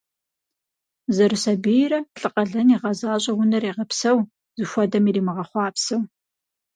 Зэрысабийрэ лӏы къалэн игъэзащӏэу унэр егъэпсэу, зыхуэдэм иримыгъэхъуапсэу.